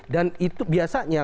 dan itu biasanya